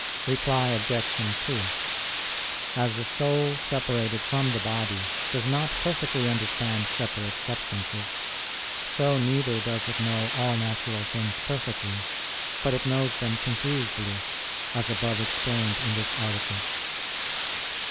Reply Obj. 2: As the soul separated from the body does not perfectly understand separate substances, so neither does it know all natural things perfectly; but it knows them confusedly, as above explained in this article.